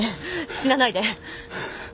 死なないで。